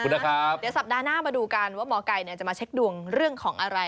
เดี๋ยวสัปดาห์หน้ามาดูกันว่าหมอไก่จะมาเช็คดวงเรื่องของอะไร